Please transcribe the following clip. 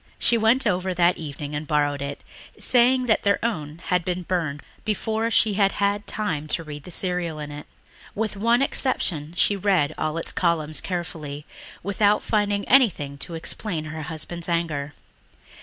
She went over that evening and borrowed it, saying that their own had been burned before she had had time to read the serial in it. With one exception she read all its columns carefully without finding anything to explain her husband's anger.